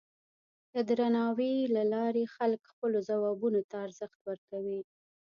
د درناوي له لارې خلک خپلو ځوابونو ته ارزښت ورکوي.